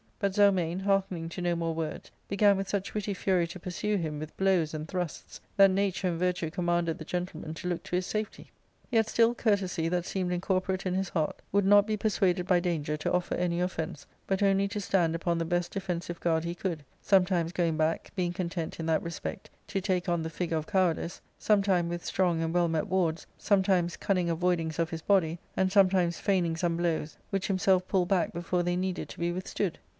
But Zelmane, hearkening to no more words, began with such witty fury to pursue him with blows and thrusts that nature and virtue commanded the gentleman to look to his safety. Yet still courtesy, that seemed incorporate in his heart, would not be persuaded by danger to offer any offence, but only to stand upon the bes^ defensive guard he could ; sometimes going back, being content, in that respect, to take on the figure of cowardice, sometime with strong and well met wards, some times cunning avoidings of his body, and sometimes feigning some blows, which himself pulled back before they needed to be withstood.